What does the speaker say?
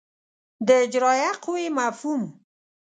د اجرایه قوې مفهوم